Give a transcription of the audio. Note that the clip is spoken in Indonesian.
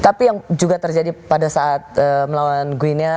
tapi yang juga terjadi pada saat melawan gwinia